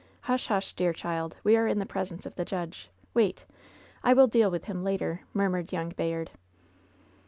"Hush, hush, dear diild ! We are in the presence of the judge. Wait. I will deal with him later," mur mured young Bayard.